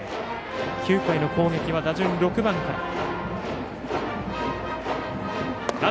９回の攻撃は打順６番から。